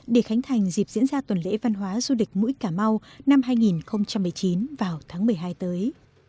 để khánh thành dịp diễn ra tuần lễ văn hóa du lịch mũi cà mau năm hai nghìn một mươi chín vào tháng một mươi hai tới